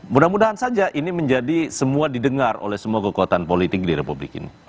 mudah mudahan saja ini menjadi semua didengar oleh semua kekuatan politik di republik ini